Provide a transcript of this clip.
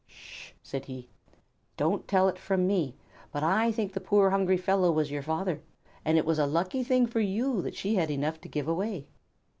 "S sh!" said he. "Don't tell it from me, but I think the poor hungry fellow was your father, and it was a lucky thing for you that she had enough to give away."